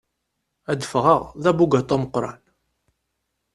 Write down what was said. Ad ffɣeɣ d abugaṭu ameqqran.